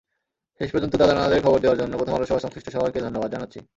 শেষ পর্যন্ত দাদা-নানাদের খবরটা দেওয়ার জন্য প্রথম আলোসহ সংশ্লিষ্ট সবাইকে ধন্যবাদ জানাচ্ছি।